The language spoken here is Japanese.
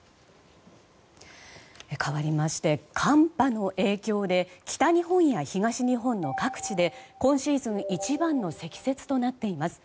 かわりまして寒波の影響で北日本や東日本の各地で今シーズン一番の積雪となっています。